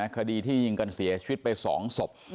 คดีที่ยิงกันเสียชีวิตไป๒ศพ